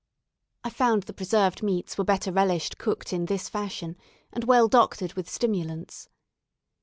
I found the preserved meats were better relished cooked in this fashion, and well doctored with stimulants.